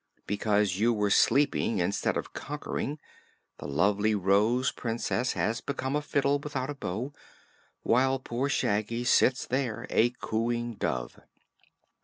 Because you were sleeping instead of conquering, the lovely Rose Princess has become a fiddle without a bow, while poor Shaggy sits there a cooing dove!"